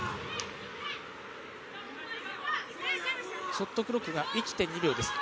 ショットクロックが１．２秒です。